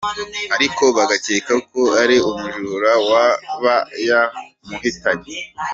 Ariko bagakeka ko ari umujura waba yamuhitanye.